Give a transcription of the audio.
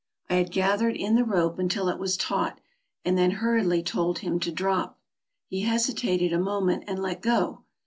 I had gathered in the rope until it was taut, and then hurriedly told him to drop. He hesi tated a moment and let go.